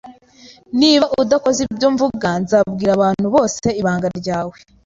Niba udakoze ibyo mvuga, nzabwira abantu bose ibanga ryawe